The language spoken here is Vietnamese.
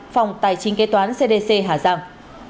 phòng tài chính kế toán cdc hà giang